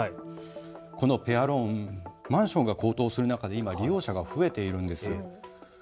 このペアローン、マンションが高騰する中で今利用者が増えているんです。